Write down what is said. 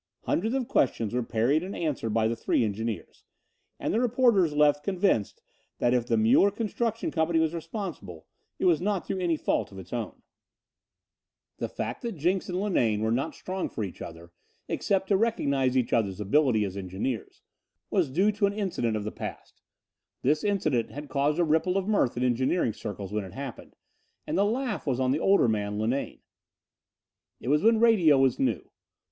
Hundreds of questions were parried and answered by the three engineers, and the reporters left convinced that if the Muller Construction Company was responsible, it was not through any fault of its own. The fact that Jenks and Linane were not strong for each other, except to recognize each other's ability as engineers, was due to an incident of the past. This incident had caused a ripple of mirth in engineering circles when it happened, and the laugh was on the older man, Linane. It was when radio was new.